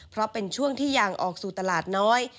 เพราะเป็นช่วงที่ยางออกสู่ตลาดน้อย